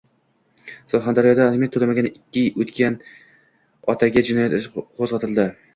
Surxondaryoda aliment to‘lamagan ikki otaga jinoyat ishi qo‘zg‘atildi